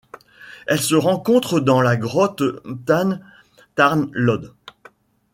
Elle se rencontre dans la grotte Tham Tharn Lod.